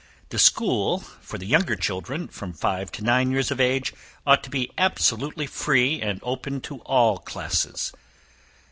The school for the younger children, from five to nine years of age, ought to be absolutely free and open to all classes.